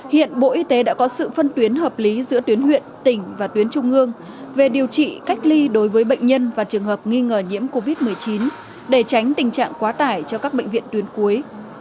hiện bộ y tế đã có sự phân tuyến hợp lý giữa tuyến huyện tỉnh và tuyến trung ương về điều trị cách ly đối với bệnh nhân và trường hợp nghi ngờ nhiễm covid một mươi chín để tránh tình trạng quá tải cho các bệnh viện tuyến cuối